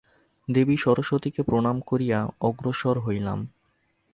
দেবী সরস্বতীকে প্রণাম করিয়া অগ্রসর হইলাম।